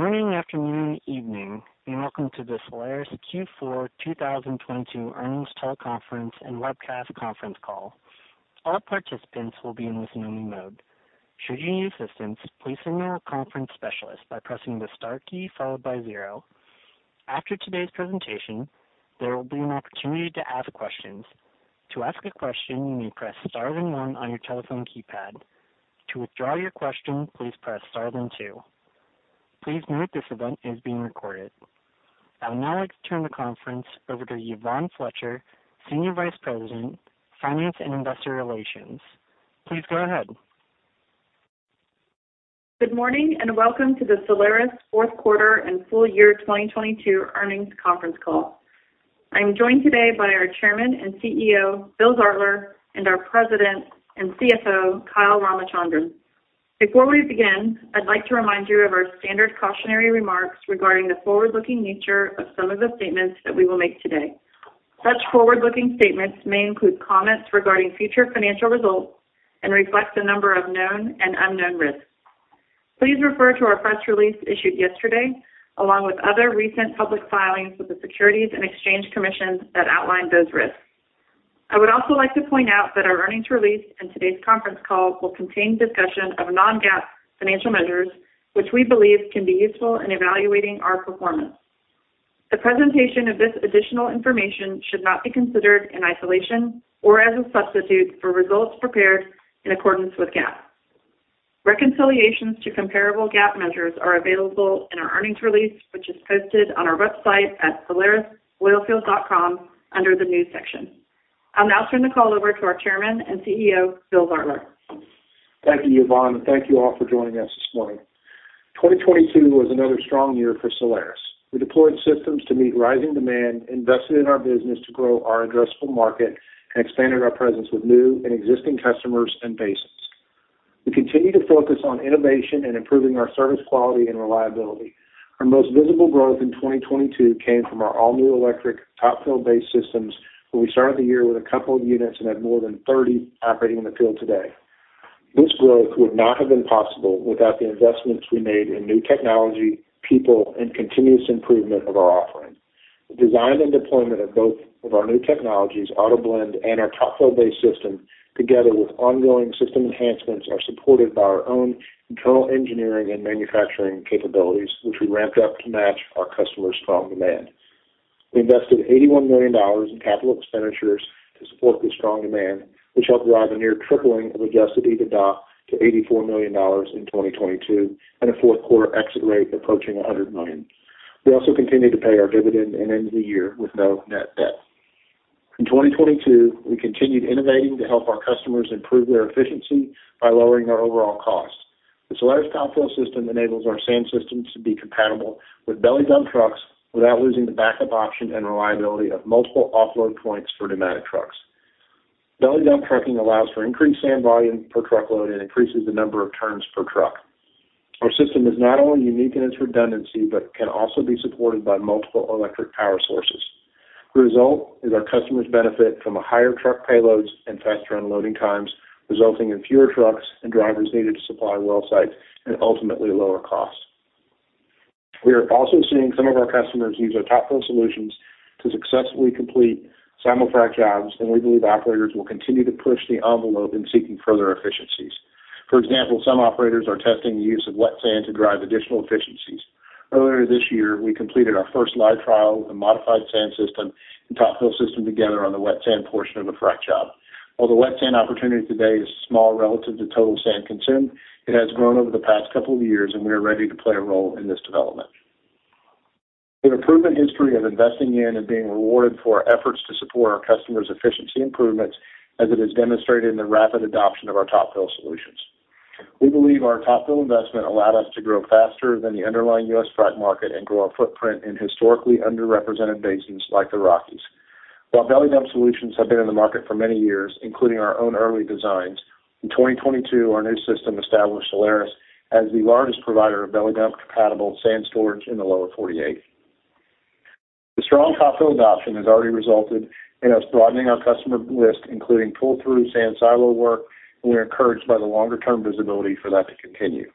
Good morning, afternoon, evening, and welcome to the Solaris Q4 2022 Earnings Teleconference and Webcast Conference Call. All participants will be in listen-only mode. Should you need assistance, please signal a conference specialist by pressing the Star key followed by 0. After today's presentation, there will be an opportunity to ask questions. To ask a question, you may press Star then 1 on your telephone keypad. To withdraw your question, please press Star then 2. Please note this event is being recorded. I would now like to turn the conference over to Yvonne Fletcher, Senior Vice President, Finance and Investor Relations. Please go ahead. Good morning, welcome to the Solaris fourth quarter and full year 2022 earnings conference call. I'm joined today by our Chairman and CEO, Bill Zartler, and our President and CFO, Kyle Ramachandran. Before we begin, I'd like to remind you of our standard cautionary remarks regarding the forward-looking nature of some of the statements that we will make today. Such forward-looking statements may include comments regarding future financial results and reflect a number of known and unknown risks. Please refer to our press release issued yesterday, along with other recent public filings with the Securities and Exchange Commission that outline those risks. I would also like to point out that our earnings release and today's conference call will contain discussion of non-GAAP financial measures, which we believe can be useful in evaluating our performance. The presentation of this additional information should not be considered in isolation or as a substitute for results prepared in accordance with GAAP. Reconciliations to comparable GAAP measures are available in our earnings release, which is posted on our website at solarisoilfield.com under the New section. I'll now turn the call over to our Chairman and CEO, Bill Zartler. Thank you, Yvonne, thank you all for joining us this morning. 2022 was another strong year for Solaris. We deployed systems to meet rising demand, invested in our business to grow our addressable market, and expanded our presence with new and existing customers and basins. We continue to focus on innovation and improving our service quality and reliability. Our most visible growth in 2022 came from our all-new electric Top Fill-based systems, where we started the year with a couple of units and have more than 30 operating in the field today. This growth would not have been possible without the investments we made in new technology, people, and continuous improvement of our offering. The design and deployment of both of our new technologies, AutoBlend and our Top Fill-based system, together with ongoing system enhancements, are supported by our own internal engineering and manufacturing capabilities, which we ramped up to match our customers' strong demand. We invested $81 million in capital expenditures to support the strong demand, which helped drive a near tripling of Adjusted EBITDA to $84 million in 2022, and a fourth quarter exit rate approaching $100 million. We also continued to pay our dividend and end the year with no net debt. In 2022, we continued innovating to help our customers improve their efficiency by lowering our overall costs. The Solaris Top Fill system enables our sand systems to be compatible with belly dump trucks without losing the backup option and reliability of multiple offload points for pneumatic trucks. belly dump trucking allows for increased sand volume per truckload and increases the number of turns per truck. Our system is not only unique in its redundancy, but can also be supported by multiple electric power sources. The result is our customers benefit from a higher truck payloads and faster unloading times, resulting in fewer trucks and drivers needed to supply well sites and ultimately lower costs. We are also seeing some of our customers use our Top Fill solutions to successfully complete simul-frac jobs. We believe operators will continue to push the envelope in seeking further efficiencies. For example, some operators are testing the use of wet sand to drive additional efficiencies. Earlier this year, we completed our first live trial with a modified sand system and Top Fill system together on the wet sand portion of a frac job. While the wet sand opportunity today is small relative to total sand consumed, it has grown over the past couple of years. We are ready to play a role in this development. We have a proven history of investing in and being rewarded for our efforts to support our customers' efficiency improvements as it is demonstrated in the rapid adoption of our Top Fill solutions. We believe our Top Fill investment allowed us to grow faster than the underlying US frac market and grow our footprint in historically underrepresented basins like the Rockies. While belly dump solutions have been in the market for many years, including our own early designs, in 2022, our new system established Solaris as the largest provider of belly dump-compatible sand storage in the lower 48. The strong Top Fill adoption has already resulted in us broadening our customer list, including pull-through sand silo work. We are encouraged by the longer term visibility for that to continue.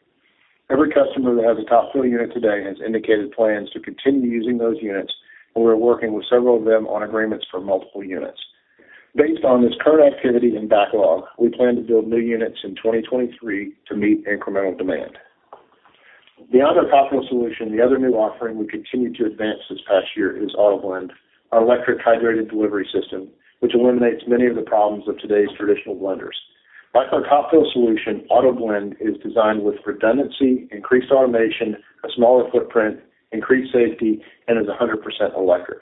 Every customer that has a Top Fill unit today has indicated plans to continue using those units. We're working with several of them on agreements for multiple units. Based on this current activity and backlog, we plan to build new units in 2023 to meet incremental demand. Beyond our Top Fill solution, the other new offering we continued to advance this past year is AutoBlend, our electric hydrated delivery system, which eliminates many of the problems of today's traditional blenders. Like our Top Fill solution, AutoBlend is designed with redundancy, increased automation, a smaller footprint, increased safety, and is 100% electric.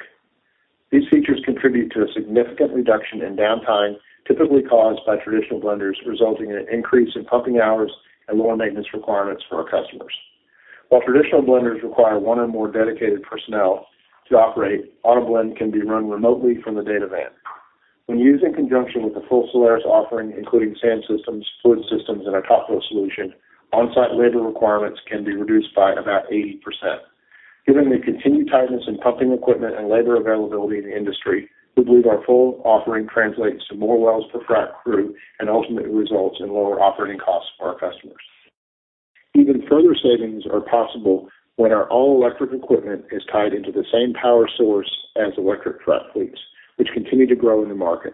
These features contribute to a significant reduction in downtime typically caused by traditional blenders, resulting in an increase in pumping hours and lower maintenance requirements for our customers. While traditional blenders require one or more dedicated personnel to operate, AutoBlend can be run remotely from the data van. When used in conjunction with the full Solaris offering, including sand systems, fluid systems, and our Top Fill solution, on-site labor requirements can be reduced by about 80%. Given the continued tightness in pumping equipment and labor availability in the industry, we believe our full offering translates to more wells per frac crew and ultimately results in lower operating costs for our customers. Even further savings are possible when our all-electric equipment is tied into the same power source as electric frac fleets, which continue to grow in the market.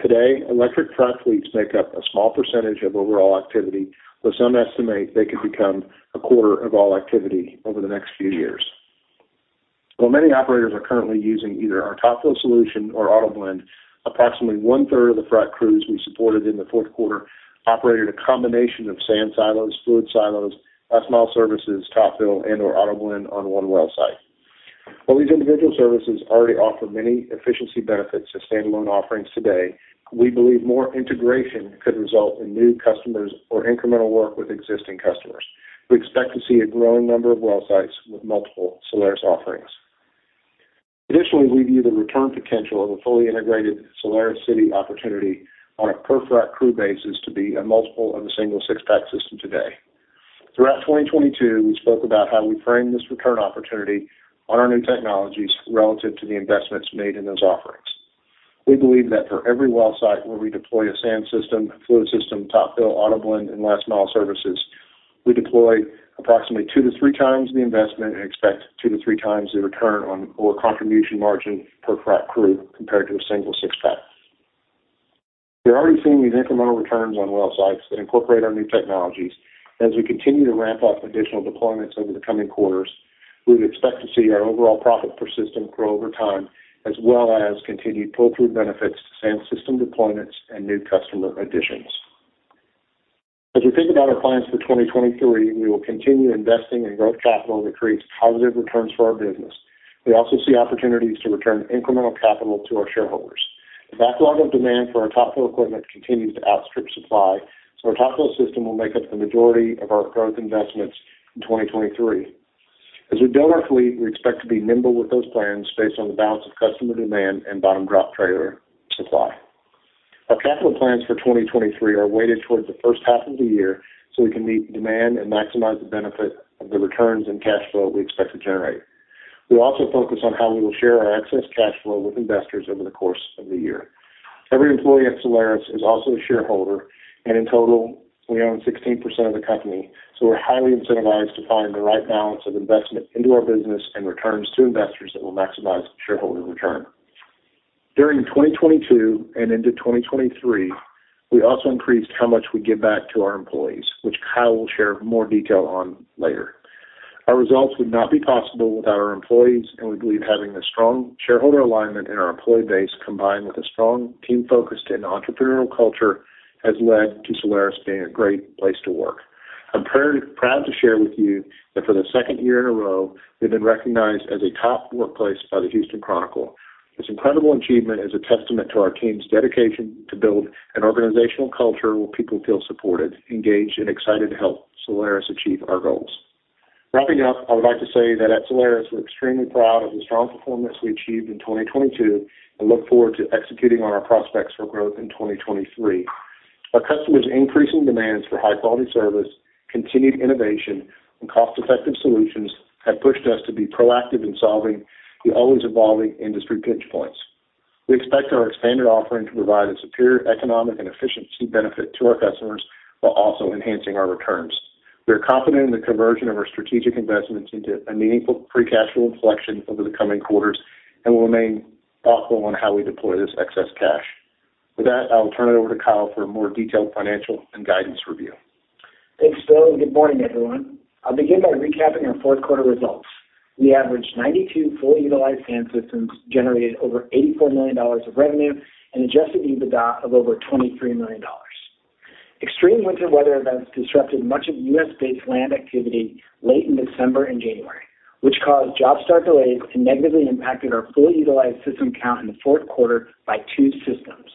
Today, electric frac fleets make up a small percentage of overall activity, but some estimate they could become a quarter of all activity over the next few years. While many operators are currently using either our Top Fill solution or AutoBlend, approximately 1/3 of the frac crews we supported in the fourth quarter operated a combination of sand silos, fluid silos, last mile services, Top Fill, and/or AutoBlend on one well site. While these individual services already offer many efficiency benefits as standalone offerings today, we believe more integration could result in new customers or incremental work with existing customers. We expect to see a growing number of well sites with multiple Solaris offerings. Additionally, we view the return potential of a fully integrated SolarisCity opportunity on a per frac crew basis to be a multiple of a single six-silo system today. Throughout 2022, we spoke about how we frame this return opportunity on our new technologies relative to the investments made in those offerings. We believe that for every well site where we deploy a sand system, a fluid system, Top Fill, AutoBlend, and last mile services, we deploy approximately 2 to 3 times the investment and expect 2 to 3 times the return on or contribution margin per frac crew compared to a single six-pack. We're already seeing these incremental returns on well sites that incorporate our new technologies. As we continue to ramp up additional deployments over the coming quarters, we would expect to see our overall profit per system grow over time, as well as continued pull-through benefits to sand system deployments and new customer additions. As we think about our plans for 2023, we will continue investing in growth capital that creates positive returns for our business. We also see opportunities to return incremental capital to our shareholders. The backlog of demand for our Top Fill equipment continues to outstrip supply. Our Top Fill system will make up the majority of our growth investments in 2023. As we build our fleet, we expect to be nimble with those plans based on the balance of customer demand and bottom drop trailer supply. Our capital plans for 2023 are weighted towards the first half of the year. We can meet the demand and maximize the benefit of the returns and cash flow we expect to generate. We'll also focus on how we will share our excess cash flow with investors over the course of the year. Every employee at Solaris is also a shareholder. In total, we own 16% of the company. We're highly incentivized to find the right balance of investment into our business and returns to investors that will maximize shareholder return. During 2022 and into 2023, we also increased how much we give back to our employees, which Kyle will share more detail on later. Our results would not be possible without our employees. We believe having a strong shareholder alignment in our employee base, combined with a strong team focused and entrepreneurial culture, has led to Solaris being a great place to work. I'm proud to share with you that for the second year in a row, we've been recognized as a top workplace by the Houston Chronicle. This incredible achievement is a testament to our team's dedication to build an organizational culture where people feel supported, engaged, and excited to help Solaris achieve our goals. Wrapping up, I would like to say that at Solaris, we're extremely proud of the strong performance we achieved in 2022 and look forward to executing on our prospects for growth in 2023. Our customers' increasing demands for high-quality service, continued innovation, and cost-effective solutions have pushed us to be proactive in solving the always evolving industry pinch points. We expect our expanded offering to provide a superior economic and efficiency benefit to our customers while also enhancing our returns. We are confident in the conversion of our strategic investments into a meaningful free cash flow inflection over the coming quarters and will remain thoughtful on how we deploy this excess cash. With that, I will turn it over to Kyle for a more detailed financial and guidance review. Thanks, Bill, good morning, everyone. I'll begin by recapping our fourth quarter results. We averaged 92 fully utilized sand systems, generated over $84 million of revenue, and Adjusted EBITDA of over $23 million. Extreme winter weather events disrupted much of US-based land activity late in December and January, which caused job start delays and negatively impacted our fully utilized system count in the fourth quarter by two systems.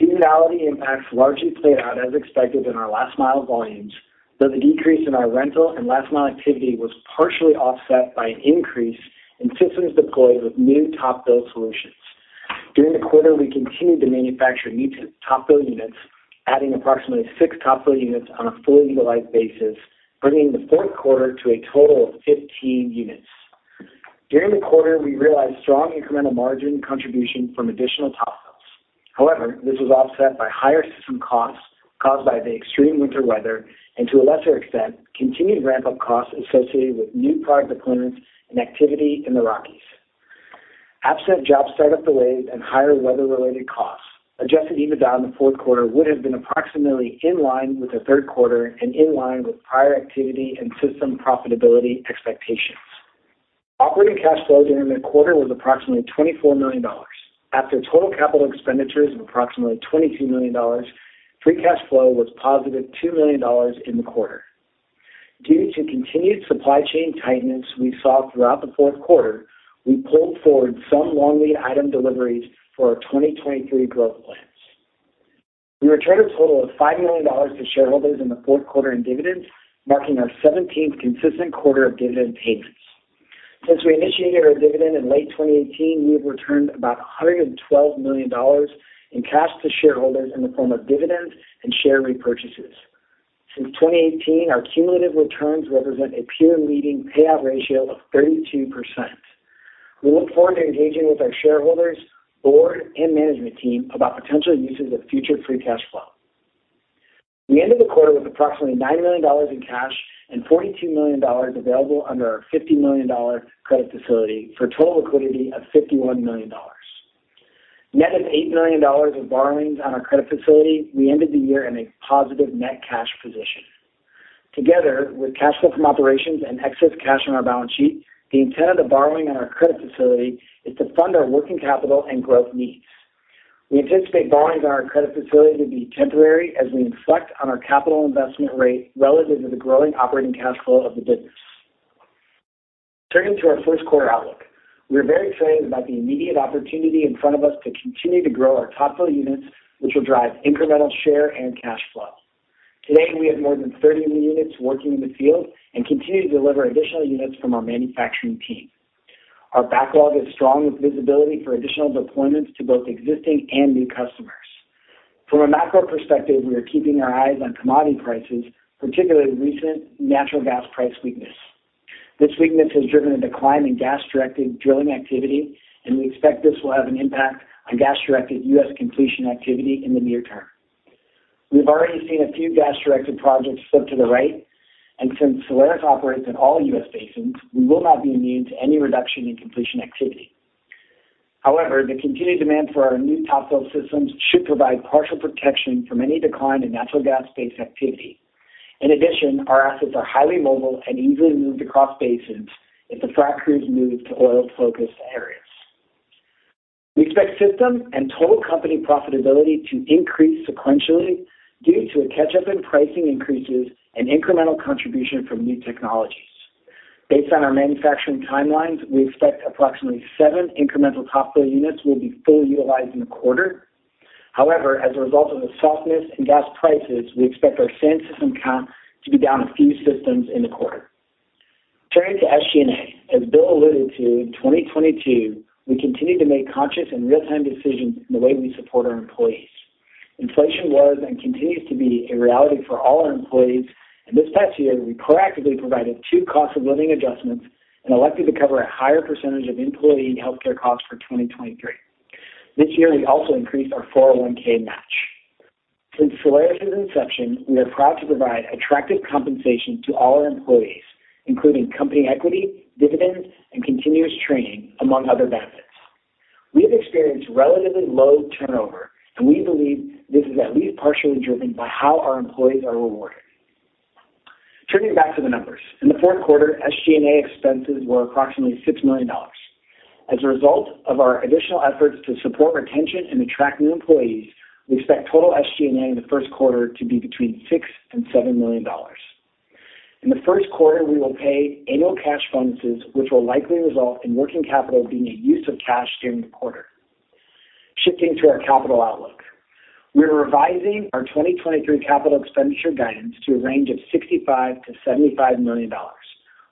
Seasonality impacts largely played out as expected in our last mile volumes, though the decrease in our rental and last mile activity was partially offset by an increase in systems deployed with new TopFill solutions. During the quarter, we continued to manufacture new TopFill units, adding approximately six TopFill units on a fully utilized basis, bringing the fourth quarter to a total of 15 units. During the quarter, we realized strong incremental margin contribution from additional TopFill. This was offset by higher system costs caused by the extreme winter weather and, to a lesser extent, continued ramp-up costs associated with new product deployments and activity in the Rockies. Absent job start-up delays and higher weather-related costs, Adjusted EBITDA in the fourth quarter would have been approximately in line with the third quarter and in line with prior activity and system profitability expectations. Operating cash flow during the quarter was approximately $24 million. After total capital expenditures of approximately $22 million, free cash flow was positive $2 million in the quarter. Due to continued supply chain tightness we saw throughout the fourth quarter, we pulled forward some long lead item deliveries for our 2023 growth plans. We returned a total of $5 million to shareholders in the fourth quarter in dividends, marking our 17th consistent quarter of dividend payments. Since we initiated our dividend in late 2018, we have returned about $112 million in cash to shareholders in the form of dividends and share repurchases. Since 2018, our cumulative returns represent a peer-leading payout ratio of 32%. We look forward to engaging with our shareholders, board, and management team about potential uses of future free cash flow. We ended the quarter with approximately $9 million in cash and $42 million available under our $50 million credit facility for total liquidity of $51 million. Net of $8 million in borrowings on our credit facility, we ended the year in a positive net cash position. Together with cash flow from operations and excess cash on our balance sheet, the intent of the borrowing on our credit facility is to fund our working capital and growth needs. We anticipate borrowings on our credit facility to be temporary as we reflect on our capital investment rate relative to the growing operating cash flow of the business. Turning to our first quarter outlook. We are very excited about the immediate opportunity in front of us to continue to grow our Top Fill units, which will drive incremental share and cash flow. Today, we have more than 30 new units working in the field and continue to deliver additional units from our manufacturing team. Our backlog is strong with visibility for additional deployments to both existing and new customers. From a macro perspective, we are keeping our eyes on commodity prices, particularly recent natural gas price weakness. This weakness has driven a decline in gas-directed drilling activity, and we expect this will have an impact on gas-directed U.S. completion activity in the near term. We've already seen a few gas-directed projects slip to the right. Since Solaris operates in all U.S. basins, we will not be immune to any reduction in completion activity. However, the continued demand for our new Top Fill systems should provide partial protection from any decline in natural gas-based activity. In addition, our assets are highly mobile and easily moved across basins if the frac crews move to oil-focused areas. We expect systems and total company profitability to increase sequentially due to a catch-up in pricing increases and incremental contribution from new technologies. Based on our manufacturing timelines, we expect approximately seven incremental Top Fill units will be fully utilized in the quarter. However, as a result of the softness in gas prices, we expect our sand system count to be down a few systems in the quarter. Turning to SG&A. As Bill alluded to, in 2022, we continued to make conscious and real-time decisions in the way we support our employees. Inflation was and continues to be a reality for all our employees, and this past year, we proactively provided 2 cost of living adjustments and elected to cover a higher % of employee healthcare costs for 2023. This year, we also increased our 401(k) match. Since Solaris' inception, we are proud to provide attractive compensation to all our employees, including company equity, dividends, and continuous training, among other benefits. We have experienced relatively low turnover, and we believe this is at least partially driven by how our employees are rewarded. Turning back to the numbers. In the fourth quarter, SG&A expenses were approximately $6 million. As a result of our additional efforts to support retention and attract new employees, we expect total SG&A in the first quarter to be between $6 million and $7 million. In the first quarter, we will pay annual cash bonuses, which will likely result in working capital being a use of cash during the quarter. Shifting to our capital outlook. We are revising our 2023 capital expenditure guidance to a range of $65 million-$75 million,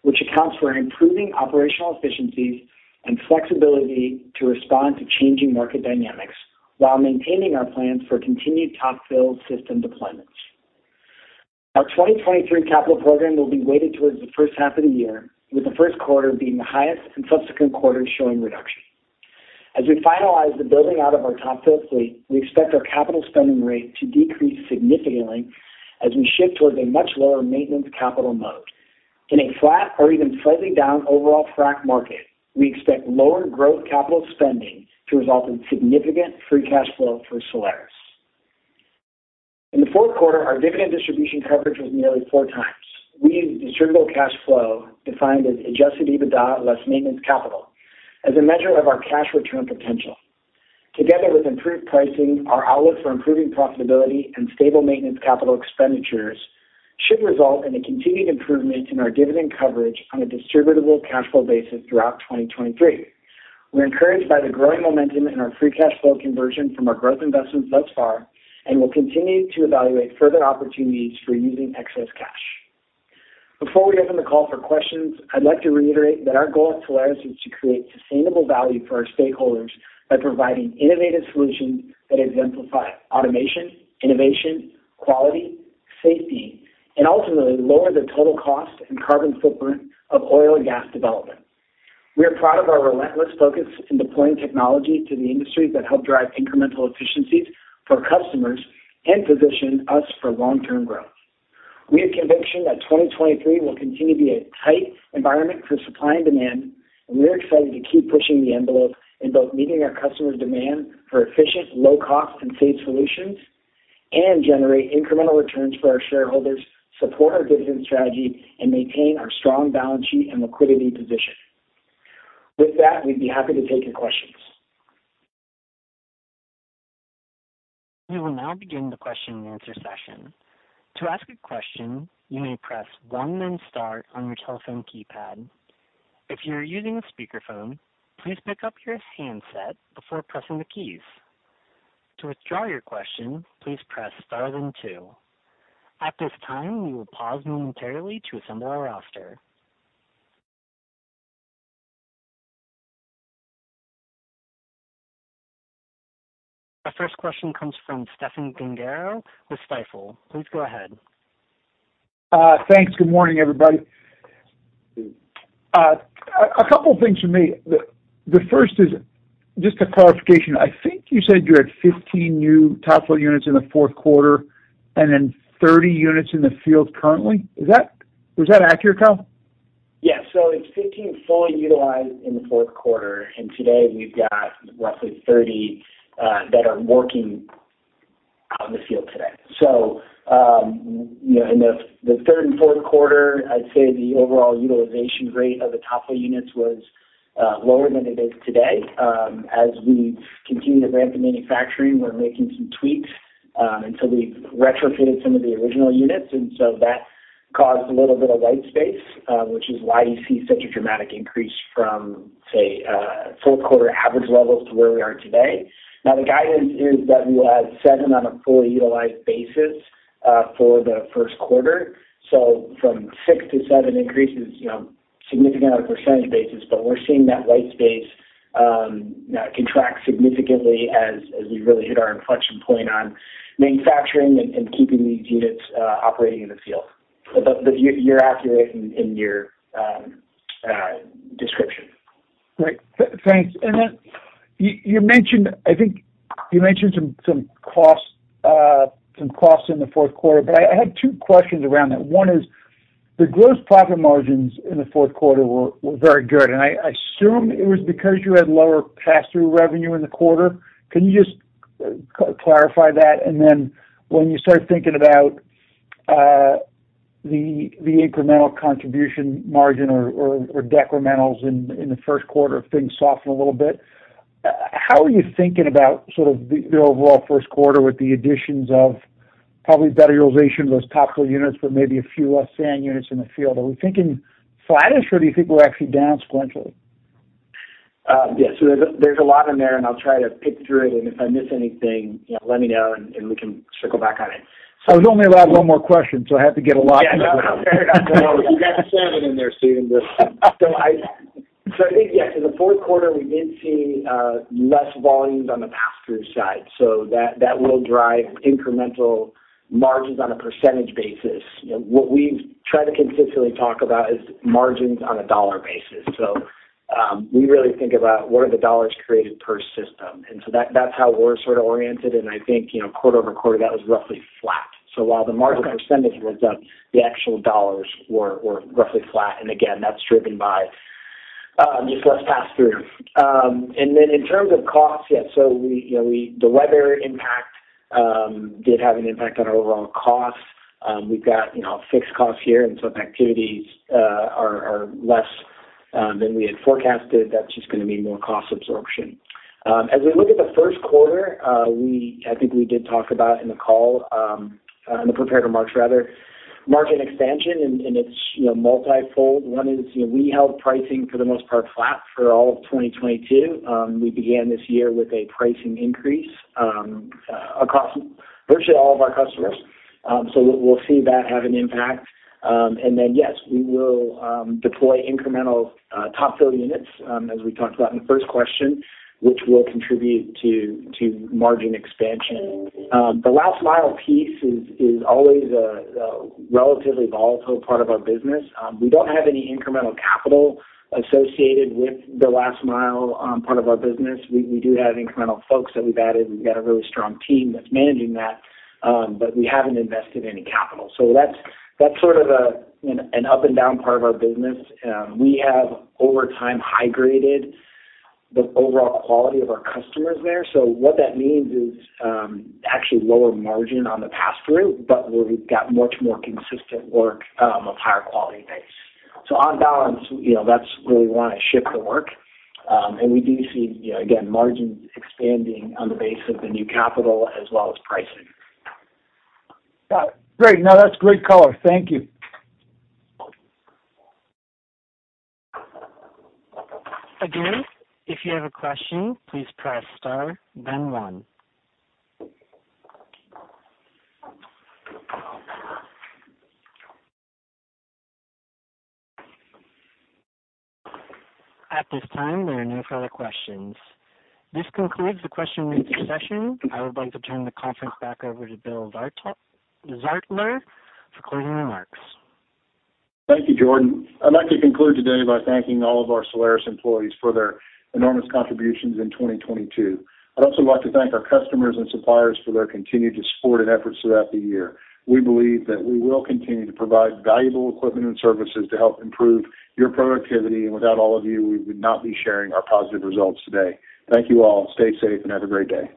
which accounts for improving operational efficiencies and flexibility to respond to changing market dynamics while maintaining our plans for continued Top Fill system deployments. Our 2023 capital program will be weighted towards the first half of the year, with the first quarter being the highest and subsequent quarters showing reduction. As we finalize the building out of our Top Fill fleet, we expect our capital spending rate to decrease significantly as we shift towards a much lower maintenance capital mode. In a flat or even slightly down overall frac market, we expect lower growth capital spending to result in significant free cash flow for Solaris. In the fourth quarter, our dividend distribution coverage was nearly 4 times. We use distributable cash flow, defined as Adjusted EBITDA less maintenance capital, as a measure of our cash return potential. Together with improved pricing, our outlook for improving profitability and stable maintenance capital expenditures should result in a continued improvement in our dividend coverage on a distributable cash flow basis throughout 2023. We're encouraged by the growing momentum in our free cash flow conversion from our growth investments thus far and will continue to evaluate further opportunities for using excess cash. Before we open the call for questions, I'd like to reiterate that our goal at Solaris is to create sustainable value for our stakeholders by providing innovative solutions that exemplify automation, innovation, quality, safety, and ultimately lower the total cost and carbon footprint of oil and gas development. We are proud of our relentless focus in deploying technology to the industry that help drive incremental efficiencies for customers and position us for long-term growth. We have conviction that 2023 will continue to be a tight environment for supply and demand, and we are excited to keep pushing the envelope in both meeting our customers' demand for efficient, low cost, and safe solutions and generate incremental returns for our shareholders, support our dividend strategy, and maintain our strong balance sheet and liquidity position. With that, we'd be happy to take your questions. We will now begin the question and answer session. To ask a question, you may press one then star on your telephone keypad. If you are using a speakerphone, please pick up your handset before pressing the keys. To withdraw your question, please press star then two. At this time, we will pause momentarily to assemble our roster. Our first question comes from Stephen Gengaro with Stifel. Please go ahead. Thanks. Good morning, everybody. A couple of things for me. The first is just a clarification. I think you said you had 15 new Top Fill units in the fourth quarter and then 30 units in the field currently. Was that accurate, Kyle? Yeah. It's 15 fully utilized in the fourth quarter, and today we've got roughly 30 that are working out in the field today. You know, in the third and fourth quarter, I'd say the overall utilization rate of the Top Fill units was lower than it is today. As we continue to ramp the manufacturing, we're making some tweaks, and so we've retrofitted some of the original units, and so that caused a little bit of white space, which is why you see such a dramatic increase from, say, fourth quarter average levels to where we are today. Now, the guidance is that we'll have 7 on a fully utilized basis for the first quarter. From 6 to 7 increases, you know, significantly on a percentage basis. We're seeing that white space, you know, contract significantly as we really hit our inflection point on manufacturing and keeping these units operating in the field. You're accurate in your description. Great. Thanks. You mentioned, I think you mentioned some costs in the fourth quarter, but I had two questions around that. One is the gross profit margins in the fourth quarter were very good, and I assume it was because you had lower pass-through revenue in the quarter. Can you just clarify that? When you start thinking about the incremental contribution margin or decrementals in the first quarter if things soften a little bit, how are you thinking about sort of the overall first quarter with the additions of probably better utilization of those Top Fill units, but maybe a few less sand units in the field? Are we thinking flattish, or do you think we're actually down sequentially? Yeah. There's a lot in there, and I'll try to pick through it, and if I miss anything, you know, let me know and we can circle back on it. I was only allowed one more question. I have to get a lot in. Yeah. No, fair enough. No, you got seven in there, Steven. I think, yeah, so the fourth quarter we did see less volumes on the pass-through side. That will drive incremental margins on a % basis. You know, what we've tried to consistently talk about is margins on a $ basis. We really think about what are the $ created per system. That's how we're sort of oriented. I think, you know, quarter-over-quarter, that was roughly flat. While the margin % was up, the actual $ were roughly flat. Again, that's driven by just less pass-through. Then in terms of costs, yeah, so we, you know, the weather impact did have an impact on our overall costs. We've got, you know, fixed costs here and some activities are less than we had forecasted. That's just gonna mean more cost absorption. As we look at the first quarter, we, I think we did talk about in the call, in the prepared remarks rather, margin expansion and it's, you know, multifold. One is, you know, we held pricing for the most part flat for all of 2022. We began this year with a pricing increase across virtually all of our customers. We'll see that have an impact. Yes, we will deploy incremental Top Fill units, as we talked about in the first question, which will contribute to margin expansion. The last mile piece is always a relatively volatile part of our business. We don't have any incremental capital associated with the last mile, part of our business. We do have incremental folks that we've added. We've got a really strong team that's managing that, but we haven't invested any capital. That's sort of an up and down part of our business. We have over time high graded the overall quality of our customers there. What that means is, actually lower margin on the pass-through, but we've got much more consistent work, of higher quality base. On balance, you know, that's where we wanna shift the work. We do see, you know, again, margins expanding on the base of the new capital as well as pricing. Got it. Great. No, that's great color. Thank you. Again, if you have a question, please press star then 1. At this time, there are no further questions. This concludes the question and answer session. I would like to turn the conference back over to Bill Zartler for closing remarks. Thank you, Jordan. I'd like to conclude today by thanking all of our Solaris employees for their enormous contributions in 2022. I'd also like to thank our customers and suppliers for their continued support and efforts throughout the year. We believe that we will continue to provide valuable equipment and services to help improve your productivity, without all of you, we would not be sharing our positive results today. Thank you all. Stay safe and have a great day.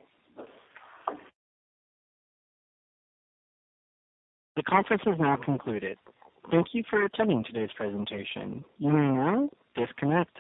The conference has now concluded. Thank you for attending today's presentation. You may now disconnect.